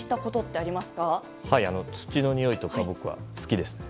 はい、土のにおいとか僕は好きですね。